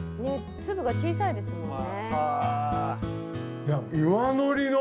粒が小さいですもんね。